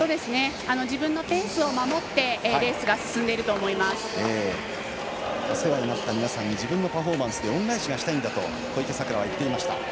自分のペースを守ってお世話になった皆さんに自分のパフォーマンスで恩返しがしたいんだと小池さくらは言っていました。